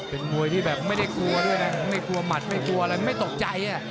เป็นมวยที่แบบไม่ได้กลัวด้วยนะไม่กลัวหมัดไม่กลัวอะไรไม่ตกใจ